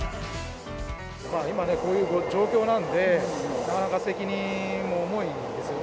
今ね、こういう状況なんで、なかなか責任も重いですよね。